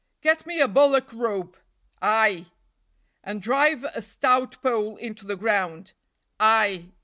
"Get me a bullock rope." "Ay!" "And drive a stout pole into the ground." "Ay!"